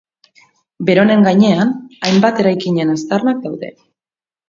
Beronen gainean hainbat eraikinen aztarnak daude.